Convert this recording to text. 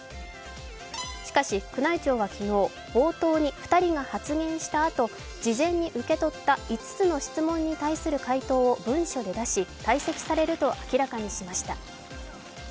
しかし、宮内庁は昨日、冒頭に２人が発言したあと事前に受け取った５つの質問に対する回答を文書で出し退席されると明らかにしました。